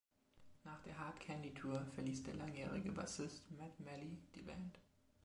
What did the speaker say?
Nach der Hard Candy-Tour verließ der langjährige Bassist Matt Malley die Band.